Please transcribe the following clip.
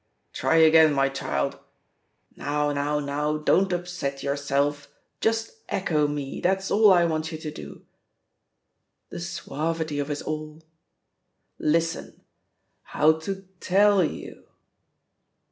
"Try again, my child I Now, now, now, don't upset yourself; just echo me, that's all I want you to do/' The suavity of his "all" I "Listen! *How to tell you.'